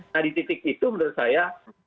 nah di titik itu menurut saya